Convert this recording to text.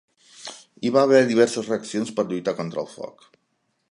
Hi va haver diverses reaccions per lluitar contra el foc.